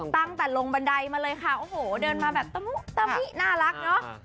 ตั้งแต่ลงบันไดมาเลยค่ะโอ้โหเดินมาแบบตะมุตะมิน่ารักเนอะ